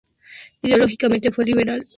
Ideológicamente fue liberal y republicano.